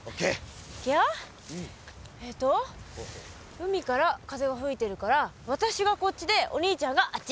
海から風が吹いてるから私がこっちでお兄ちゃんがあっち。